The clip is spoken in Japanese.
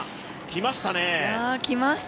きましたね